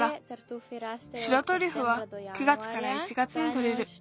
白トリュフは９月から１月にとれる。